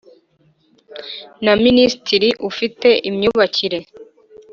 Na minisitiri ufite imyubakire